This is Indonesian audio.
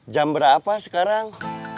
jam berapa sekarang